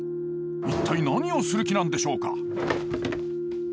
一体何をする気なんでしょうか？